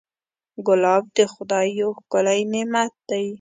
ګلاب د خدای یو ښکلی نعمت دی.